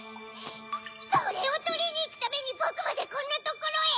それをとりにいくためにボクまでこんなところへ？